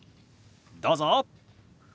どうぞ。